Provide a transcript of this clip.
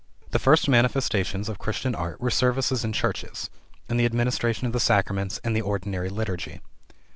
The first manifestations of Christian art were services in churches: in the administration of the sacraments and the ordinary liturgy.